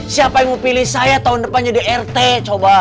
siapa yang mau pilih saya tahun depan jadi rt coba